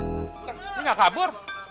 kak dia gak kabur